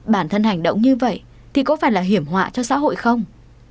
bản thân hành động như vậy thì có phải là hiểm họa cho xã hội không